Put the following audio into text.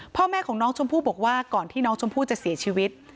พ่อแม่ของน้องชมพู่บอกว่าก่อนที่น้องชมพู่จะเสียชีวิต